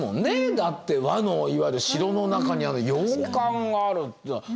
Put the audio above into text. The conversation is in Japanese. だって和のいわゆる城の中にあの洋館があるというのは。